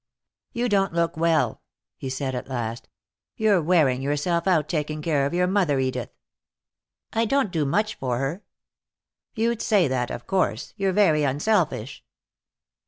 "You don't look well," he said at last. "You're wearing yourself out taking care of your mother, Edith." "I don't do much for her." "You'd say that, of course. You're very unselfish."